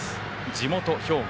地元・兵庫。